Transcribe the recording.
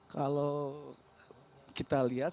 kalau kita lihat